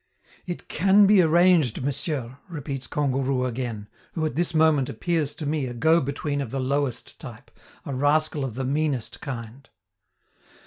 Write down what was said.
"It can be arranged, Monsieur!" repeats Kangourou again, who at this moment appears to me a go between of the lowest type, a rascal of the meanest kind.